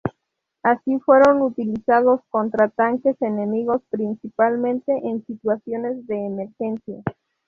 Así fueron utilizados contra tanques enemigos principalmente en situaciones de emergencia.